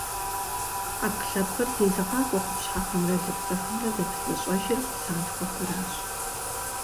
Ӏэпкълъэпкъыр зезыгъакӏуэ къупщхьэхэмрэ лыпцӏэхэмрэ зэпызыщӏэжыр псантхуэхэращ.